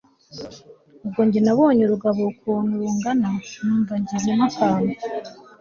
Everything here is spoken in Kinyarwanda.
ubwo njye nabonye urugabo ukuntu rungana numva ngizemo akantu